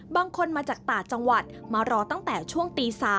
บางคนมาจากต่างจังหวัดมารอตั้งแต่ช่วงตี๓